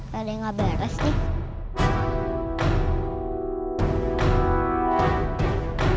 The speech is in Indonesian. tadi gak beres nih